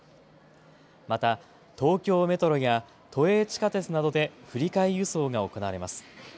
また東京メトロや都営地下鉄などで振り替え輸送が行われます。